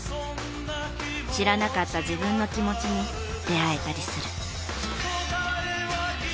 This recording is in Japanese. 知らなかった自分の気持ちに出会えたりする。